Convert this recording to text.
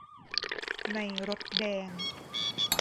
ในรถแดง